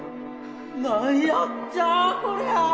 何やっちゃあこりゃ！